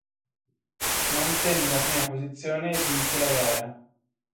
Mantenne la prima posizione e vinse la gara.